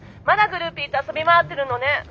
まだグルーピーと遊び回ってるのね！